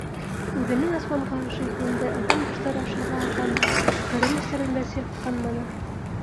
Үҙенең асманға ашыу юлында әҙәм баштары аша ла атланы, ҡырын эштәрҙән дә сирҡанманы.